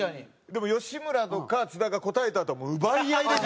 でも吉村とか津田が答えたあとはもう奪い合いで。